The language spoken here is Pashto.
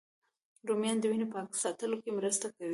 رومیان د وینې پاک ساتلو کې مرسته کوي